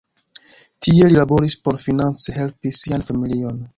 Tie li laboris por finance helpi sian familion.